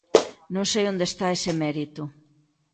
Non sei onde está ese mérito.